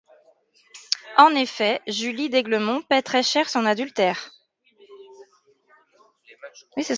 En effet, Julie d'Aiglemont paie très cher son adultère.